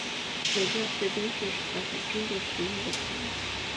每个士兵至少要在军队服役两年。